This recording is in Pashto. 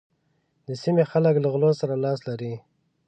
د سيمې خلک له غلو سره لاس لري.